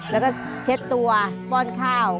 แล้วก็เช็ดตัวป้อนข้าว